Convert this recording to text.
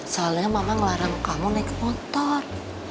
soalnya mama ngelarang kamu naik motor